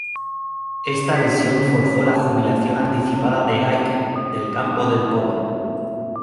Esta lesión forzó la jubilación anticipada de Aiken del campo del polo.